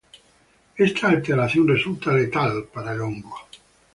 Esta alteración resulta letal para el hongo.